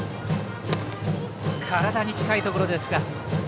体に近いところですが。